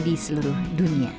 di seluruh dunia